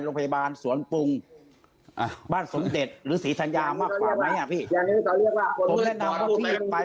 โรงพยาบาลสวนปรุงบ้านสวนเด็ดหรือศรีธรรยามากกว่าไหมอ่ะพี่